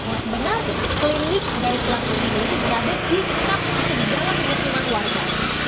bahwa sebenarnya klinik dari pelaku ini berada di dalam penerimaan warga